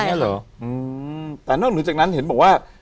เหรออืมแต่นอกเหนือจากนั้นเห็นบอกว่า